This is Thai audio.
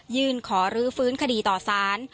ขอรื้อฟื้นคดีต่อสาร